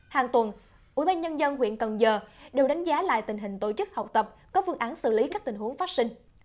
hàng tuần tp hcm đều đánh giá lại tình hình tổ chức học tập có phương án xử lý các tình huống phát sinh